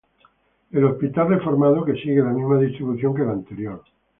El hospital reformado, que sigue la misma distribución que el anterior.